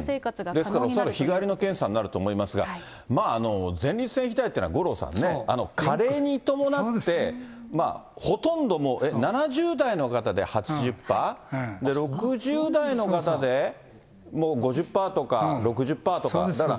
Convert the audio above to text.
ですから恐らく日帰りの検査になると思いますが、前立腺肥大というのは、五郎さんね、加齢に伴って、ほとんどもう７０代の方で８０パー、６０代の方でもう５０パーとか６０パーとか。